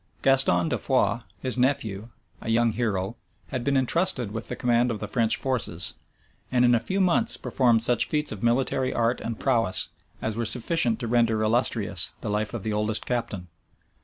Gaston de Foix, his nephew, a young hero, had been intrusted with the command of the French forces; and in a few months performed such feats of military art and prowess, as were sufficient to render illustrious the life of the oldest captain.